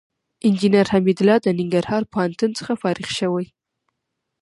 انجينر حميدالله د ننګرهار پوهنتون څخه فارغ شوى.